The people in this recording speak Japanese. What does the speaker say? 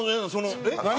何？